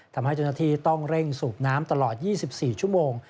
ทำให้เจ้าหน้าที่ต้องเร่งสูบน้ำตลอด๒๔ชั่วโมง